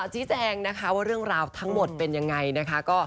ชี้แจงนะคะว่าเรื่องราวทั้งหมดเป็นยังไงนะคะ